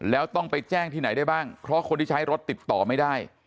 แล้วต้องไปแจ้งที่ไหนได้บ้างเพราะคนที่ใช้รถติดต่อไม่ได้